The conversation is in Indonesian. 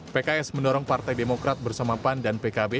pks mendorong partai demokrat bersama pan dan pkb